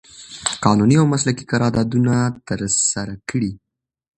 قانوني او مسلکي قراردادونه ترسره کړي